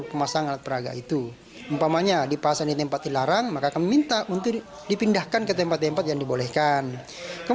pemasangan iklan di videotron jalanan utama ibu kota